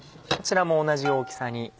こちらも同じ大きさに。